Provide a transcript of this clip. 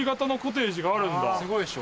すごいでしょ？